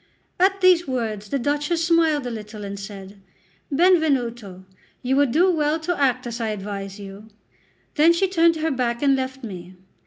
At these words the Duchess smiled a little and said: "Benvenuto, you would do well to act as I advise you." Then she turned her back and left me.